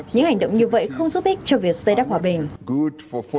những hành động như vậy không giúp ích cho việc xây đắp hòa bình